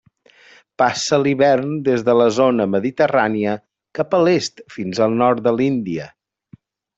Passa l'hivern des de la zona mediterrània, cap a l'est fins al nord de l'Índia.